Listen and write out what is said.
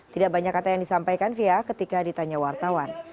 tidak banyak kata yang disampaikan fia ketika ditanya wartawan